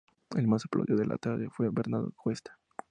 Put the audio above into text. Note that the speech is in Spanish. El más aplaudido de la tarde fue Bernardo Cuesta.